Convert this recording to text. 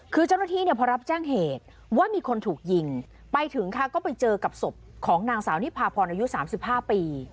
คือเจ้าหน้าที่เนี่ยพอรับแจ้งเหตุว่ามีคนถูกยิงไปถึงค่ะก็ไปเจอกับศพของนางสาวนิพาพรอายุ๓๕ปี